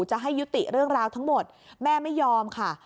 จะให้ยุติเรื่องราวทั้งหมดแม่ไม่ยอมค่ะ